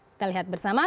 kita lihat bersama